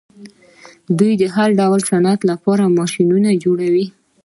دوی د هر ډول صنعت لپاره ماشینونه جوړوي.